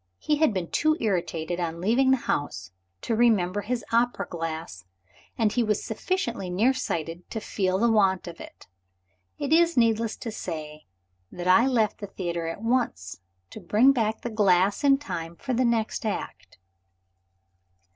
He had been too irritated, on leaving the house, to remember his opera glass; and he was sufficiently near sighted to feel the want of it. It is needless to say that I left the theater at once to bring back the glass in time for the next act.